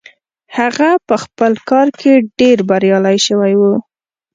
هغه په خپل کار کې ډېر بريالي شوی و.